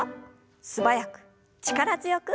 素早く力強く。